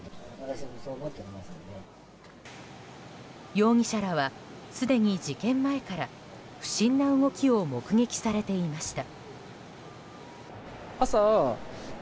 容疑者らは、すでに事件前から不審な動きを目撃されていました。